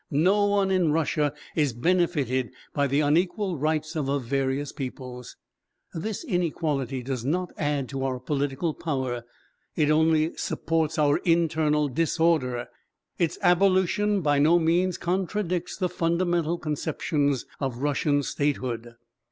No one in Russia is benefited by the unequal rights of her various peoples; this inequality does not add to our political power, it only supports our internal disorder. Its abolition by no means contradicts the fundamental conceptions of Russian statehood.